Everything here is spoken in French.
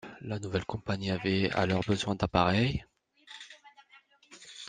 La nouvelle compagnie avait alors besoin d'appareils.